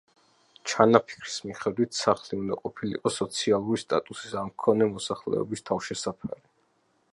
ჩანაფიქრის მიხედვით სახლი უნდა ყოფილიყო სოციალური სტატუსის არმქონე მოსახლეობის თავშესაფარი.